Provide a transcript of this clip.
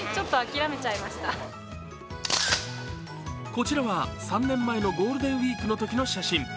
こちらは３年前のゴールデンウイークのときの写真。